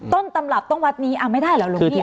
ต้นตำรับต้องวัดนี้ไม่ได้เหรอหลวงพี่